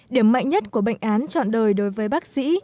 điểm mạnh nhất của bệnh án chọn đời đối với bác sĩ